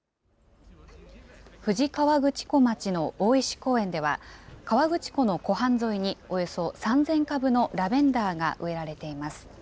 富士河口湖町の大石公園では、河口湖の湖畔沿いにおよそ３０００株のラベンダーが植えられています。